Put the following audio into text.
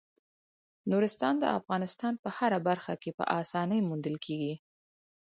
نورستان د افغانستان په هره برخه کې په اسانۍ موندل کېږي.